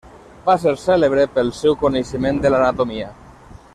Va ser cèlebre pel seu coneixement de l'anatomia.